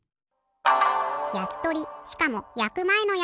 やきとりしかもやくまえのやつじゃん。